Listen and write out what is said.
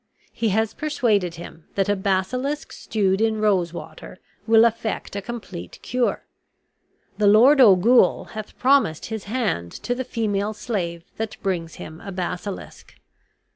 He has persuaded him that a basilisk stewed in rose water will effect a complete cure. The Lord Ogul hath promised his hand to the female slave that brings him a basilisk.